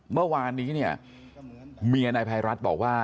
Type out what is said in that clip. เมื่อวานนี้เนี่ยเมียนายภัยรัฐบอกว่า